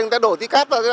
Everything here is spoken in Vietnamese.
người ta đổ tí cát vào